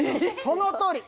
そのとおり。